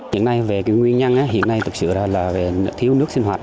hiện nay về cái nguyên nhân hiện nay thực sự là thiếu nước sinh hoạt